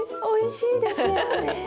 おいしいですよね。